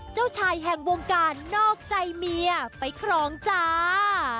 เจ้าชายแห่งวงการนอกใจเมียไปครองจ้า